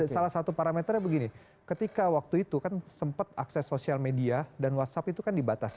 salah satu parameternya begini ketika waktu itu kan sempat akses sosial media dan whatsapp itu kan dibatasi